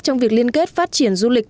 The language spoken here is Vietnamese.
trong việc liên kết phát triển du lịch